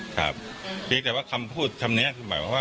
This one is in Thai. เพียงแต่ว่าคำพูดคำนี้คือหมายความว่า